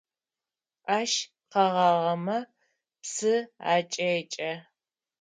Ащ къэгъагъэмэ псы акӏекӏэ.